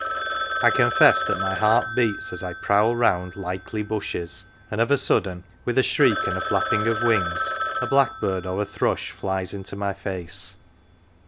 I confess that my heart beats as I prowl round " likely " bushes, and of a sudden, with a shriek and a flapping of wings, a blackbird or a thrush flies almost into my face.